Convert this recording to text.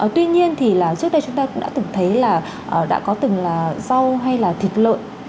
tuy nhiên thì trước đây chúng ta cũng đã từng thấy là đã có từng là rau hay là thịt lợn